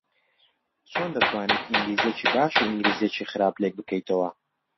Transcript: چۆن دەتوانیت ئینگلیزییەکی باش و ئینگلیزییەکی خراپ لێک بکەیتەوە؟